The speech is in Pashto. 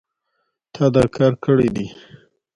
تا دا کار کړی دی